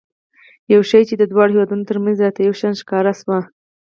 یو شی چې د دواړو هېوادونو ترمنځ راته یو شان ښکاره شو.